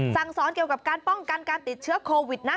สั่งสอนเกี่ยวกับการป้องกันการติดเชื้อโควิดนะ